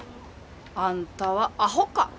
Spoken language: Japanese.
あんたはあほか。